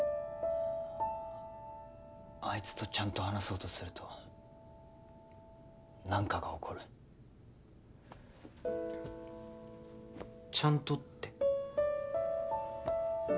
あいつとちゃんと話そうとすると何かが起こるちゃんとって？